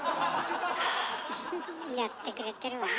やってくれてるわね。